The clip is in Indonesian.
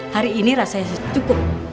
hari ini rasanya cukup